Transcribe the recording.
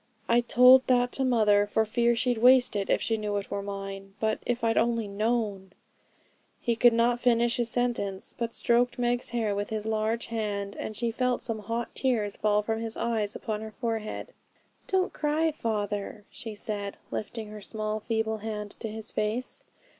'I told that to mother for fear she'd waste it if she knew it were mine. But if I'd only known ' He could not finish his sentence, but stroked Meg's hair with his large hand, and she felt some hot tears fall from his eyes upon her forehead. 'Don't cry, father,' she said, lifting her small feeble hand to his face.